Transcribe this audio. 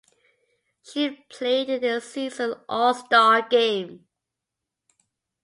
She played in that season's All-Star game.